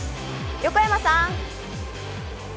横山さん。